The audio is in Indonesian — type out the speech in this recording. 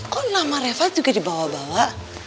kok nama reva juga dibawa bawa